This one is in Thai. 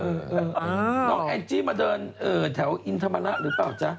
น้องแองจี้มาเดินแถวอินธรรมระหรือเปล่าจ๊ะ